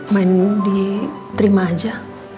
main diterima aja